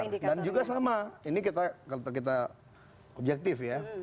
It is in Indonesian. dan juga sama ini kita objektif ya